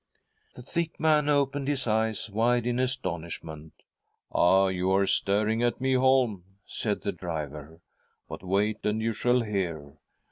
The sick man opened his eyes wide in astonish ment. " Ah ! you are staring at me, Holm," said the driver, " but wait and you shall hear.